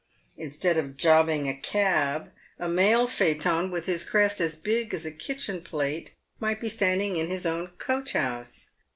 Instead of jobbing a cab, a mail phaeton, with his crest as big as a kitchen plate, might be standing in his own coach house.